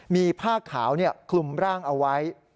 มีผ้าขาวคลุมร่างเอาไว้